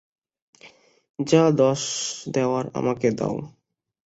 যা দোষ দেওয়ার আমাকে দাও।